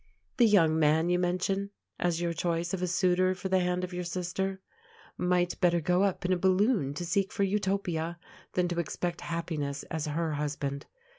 The young man you mention, as your choice of a suitor for the hand of your sister, might better go up in a balloon to seek for Eutopia than to expect happiness as her husband.